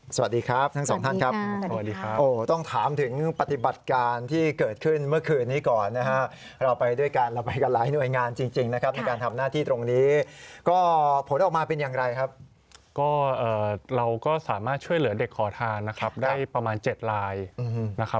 สวัสดีครับทั้งสองท่านครับต้องถามถึงปฏิบัติการที่เกิดขึ้นเมื่อคืนนี้ก่อนนะฮะ